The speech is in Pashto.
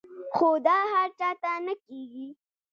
خو دا هر چاته نۀ کيږي -